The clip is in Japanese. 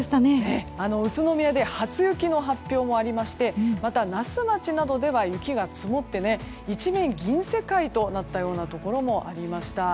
宇都宮で初雪の発表もありましてまた那須町などでは雪が積もって一面銀世界となったようなところもありました。